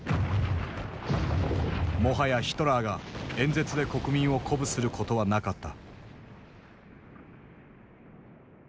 もはやヒトラーが演説で国民を鼓舞することはなかった。